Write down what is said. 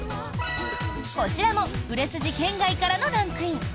こちらも売れ筋圏外からのランクイン。